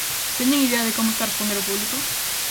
Teñen idea de como está a responder o público?